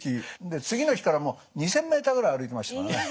で次の日から２，０００ｍぐらい歩いてましたからね。